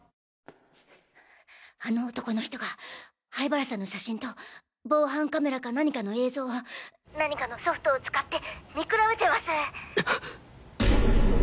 あの男の人が灰原さんの写真と防犯カメラか何かの映像を何かのソフトを使って見比べてます。